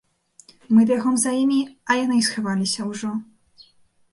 Мы бягом за імі, а яны і схаваліся ўжо.